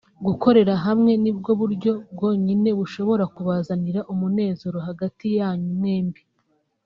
Gukorera hamwe nibwo buryo bwonyine bushobora kubazanira umunezero hagati yanyu mwembi